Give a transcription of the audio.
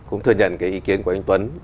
cũng thừa nhận cái ý kiến của anh tuấn